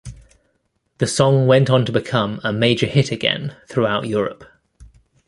The song went on to become a major hit again throughout Europe.